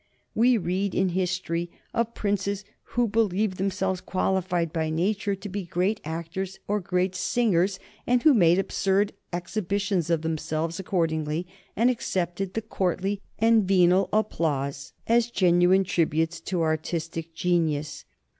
We read in history of princes who believed themselves qualified by nature to be great actors or great singers, and who made absurd exhibitions of themselves accordingly and accepted the courtly and venal applause as genuine tributes to artistic genius.